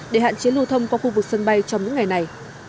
để hạn chế lưu thông qua khu vực sân bay trong những ngày này